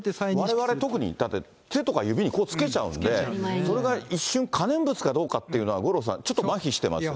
われわれ特に、だって手とか指に付けちゃうんで、それが一瞬、可燃物かどうかって、五郎さん、ちょっとまひしてますね。